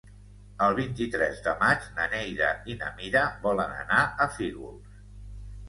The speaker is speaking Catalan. El vint-i-tres de maig na Neida i na Mira volen anar a Fígols.